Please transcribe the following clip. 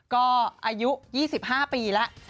ก็อายุ๒๕ปีแล้ว